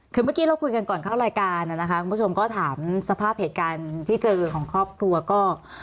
คือเมื่อกี้เราคุยกันก่อนเข้ารายการนะคะคุณผู้ชมก็ถามสภาพเหตุการณ์ที่เจอของครอบครัวก็